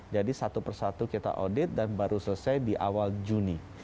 jadi satu persatu kita audit dan baru selesai di awal juni